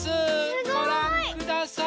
ごらんください。